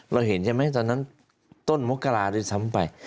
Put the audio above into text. เราเห็นใช่ไหมตอนนั้นต้นมกราด้วยซ้ำไป